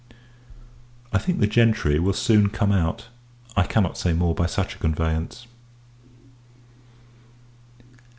I think the gentry will soon come out. I cannot say more by such a conveyance.